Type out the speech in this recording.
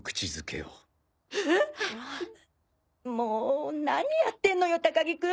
も何やってんのよ高木君！